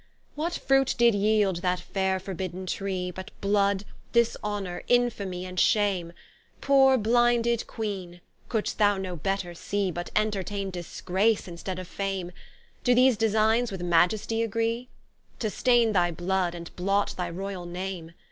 What fruit did yeeld that faire forbidden tree, But blood, dishonour, infamie, and shame? Pore blinded Queene, could'st thou no better see, But entertaine disgrace, instead of fame? Doe these designes with Maiestie agree? To staine thy blood, and blot thy royall name.